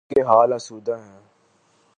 ان کے حال آسودہ ہیں۔